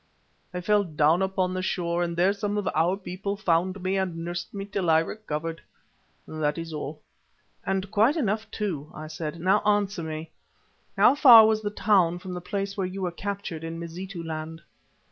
I fell down upon the shore, and there some of our people found me and nursed me till I recovered. That is all." "And quite enough too," I said. "Now answer me. How far was the town from the place where you were captured in Mazitu land?"